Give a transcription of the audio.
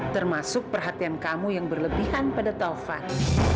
termasuk perhatian kamu yang berlebihan pada taufan